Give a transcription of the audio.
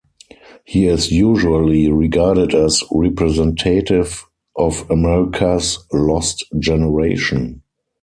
He is usually regarded as representative of America's Lost Generation.